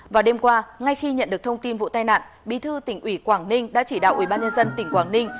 vào đêm qua ngay khi nhận được thông tin vụ tai nạn bí thư tỉnh ủy quảng ninh đã chỉ đạo ubnd tỉnh quảng ninh